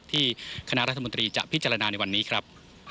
ที่คณะรัฐมนตรีจะพิจารณาในวันนี้ครับ